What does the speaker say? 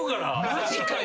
マジかよ？